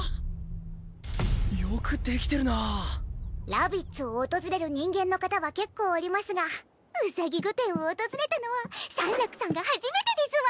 ラビッツを訪れる人間の方は結構おりますが兎御殿を訪れたのはサンラクさんが初めてですわ。